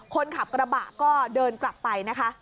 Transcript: คนขับกระบะก็เดินกลับไปนะคะ